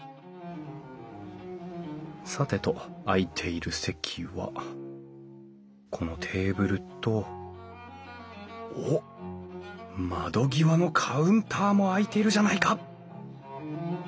さてと空いている席はこのテーブルとおっ窓際のカウンターも空いているじゃないか！